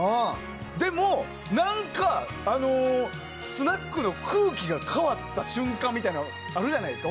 でも、何かスナックの空気が変わった瞬間みたいなのあるじゃないですか。